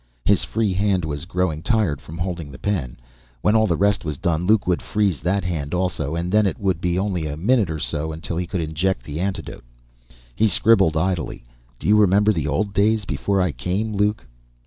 His free hand was growing tired from holding the pen. When all the rest was done, Luke would freeze that hand also, and then it would be only a minute or so until he could inject the antidote. He scribbled idly, "Do you remember the old days, before I came, Luke?"